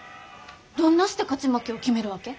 どんなして勝ち負けを決めるわけ？